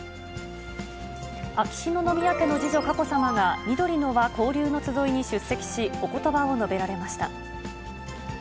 秋篠宮家の次女、佳子さまが、みどりのわ交流のつどいに出席し、おことばを述べられました。